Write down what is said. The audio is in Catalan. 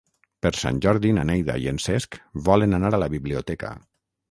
Per Sant Jordi na Neida i en Cesc volen anar a la biblioteca.